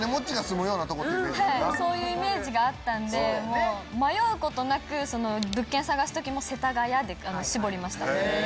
そういうイメージがあったんで迷うことなく物件探す時も「世田谷」で絞りました。